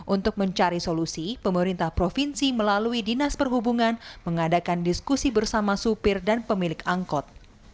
untuk mencari solusi pemerintah provinsi melalui dinas perhubungan mengadakan diskusi bersama supir dan pemilik angkut